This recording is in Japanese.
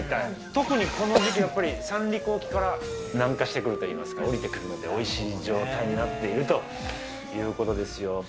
特にこの時期、やっぱり三陸南下してくるといいますか、おりてくるのでおいしい状態になっているということですよ。